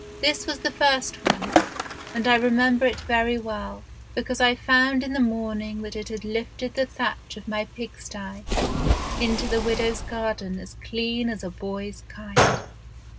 This was the first one, and I remember it very well, because I found in the morning that it had lifted the thatch of my pigsty into the widow's garden as clean as a boy's kite.